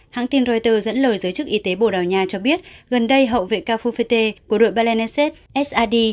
hãng tin reuters dẫn lời giới chức y tế bồ đào nha cho biết gần đây hậu vệ cao phu phê tê của đội balenese s a d